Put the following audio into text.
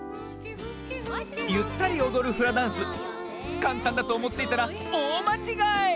ゆったりおどるフラダンスかんたんだとおもっていたらおおまちがい！